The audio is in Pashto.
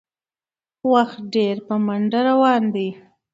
وخت ډېر په منډه روان دی